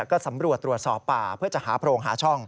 ก็สำรวจตรวจสอบป่าเพื่อจะหาโพรงหาช่อง